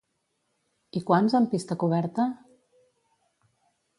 I quants en pista coberta?